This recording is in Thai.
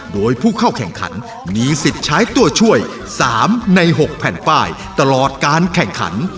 โดยผู้เข้าแข่งขันมีสิทธิ์ใช้ตัวช่วย๓ใน๖แผ่นป้ายตลอดการแข่งขัน